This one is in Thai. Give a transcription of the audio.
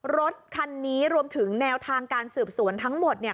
รถคันนี้รวมถึงแนวทางการสืบสวนทั้งหมด